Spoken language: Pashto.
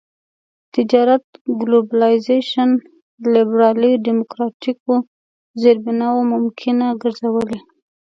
تجارت ګلوبلایزېشن لېبرالي ډيموکراټيکو زېربناوو ممکنه ګرځولي.